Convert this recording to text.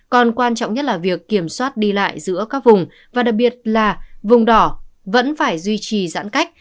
còn quan trọng nhất là việc kiểm soát đi lại giữa các vùng và đặc biệt là vùng đỏ vẫn phải duy trì giãn cách